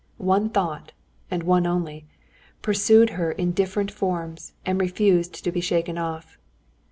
One thought, and one only, pursued her in different forms, and refused to be shaken off.